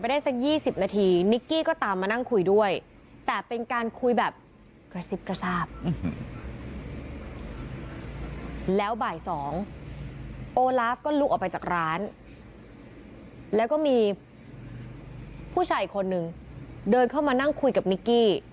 เดินเข้ามานั่งคุยกับนิกกี้